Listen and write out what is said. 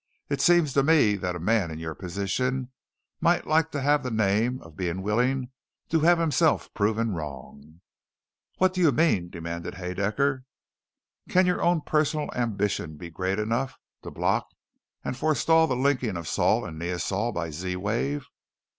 "It seems to me that a man in your position might like to have the name of being willing to have himself proven wrong." "What do you mean?" demanded Haedaecker. "Can your own personal ambition be great enough to block and forestall the linking of Sol and Neosol by Z wave?"